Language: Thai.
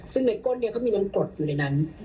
ซึ่งในนี่ก้นเขามีน้นกรดอยู่ในนั้น